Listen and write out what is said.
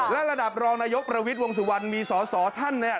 และระดับรองนายกประวิทย์วงสุวรรณมีสอสอท่านเนี่ย